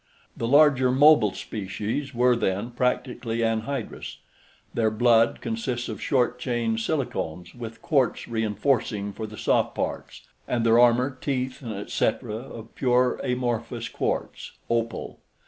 The larger mobile species were, then, practically anhydrous. Their blood consists of short chain silicones, with quartz reinforcing for the soft parts and their armor, teeth, etc., of pure amorphous quartz (opal).